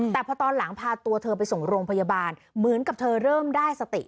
แต่พอตอนหลังพาตัวเธอไปส่งโรงพยาบาลเหมือนกับเธอเริ่มได้สติ